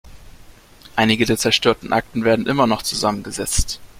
Einige der zerstörten Akten werden immer noch zusammengesetzt.